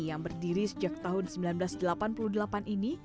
yang berdiri sejak tahun seribu sembilan ratus delapan puluh delapan ini